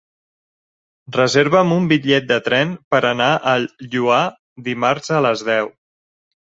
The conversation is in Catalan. Reserva'm un bitllet de tren per anar al Lloar dimarts a les deu.